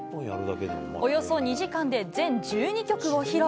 およそ２時間で全１２曲を披露。